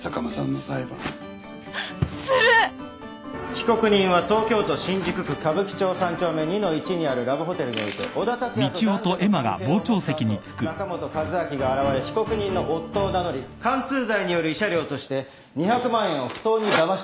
被告人は東京都新宿区歌舞伎町３丁目２−１にあるラブホテルにおいて小田達也と男女の関係を持った後中本和明が現れ被告人の夫を名乗り姦通罪による慰謝料として２００万円を不当にだまし取ったものである。